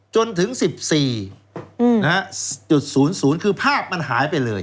จนถึง๑๔๐๐คือภาพมันหายไปเลย